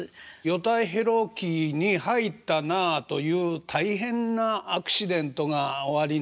ヨタヘロ期に入ったなあという大変なアクシデントがおありになった。